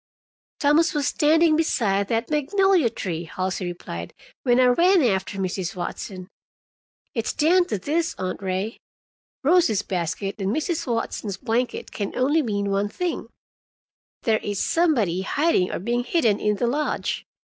"Thomas was standing beside that magnolia tree," Halsey replied, "when I ran after Mrs. Watson. It's down to this, Aunt Ray. Rosie's basket and Mrs. Watson's blanket can only mean one thing: there is somebody hiding or being hidden in the lodge.